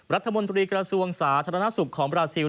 รัฐมนตรีกระทรวงสาธารณสุขของบราซิล